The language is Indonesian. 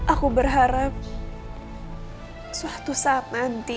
aku berharap suatu saat nanti